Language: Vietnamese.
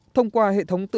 thông qua hệ thống tự động